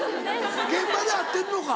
現場で会ってるのか。